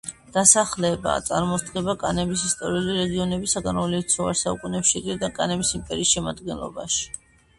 დასახელება წარმოსდგება კანემის ისტორიული რეგიონისაგან, რომელიც შუა საუკუნეებში შედიოდა კანემის იმპერიის შემადგენლობაში.